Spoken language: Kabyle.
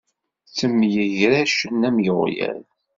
Ttemyegracen am iɣyal.